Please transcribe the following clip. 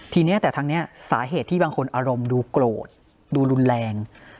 ทีนี้แต่ทางนี้สาเหตุที่บางคนอารมณ์ดูโกรธดูรุนแรง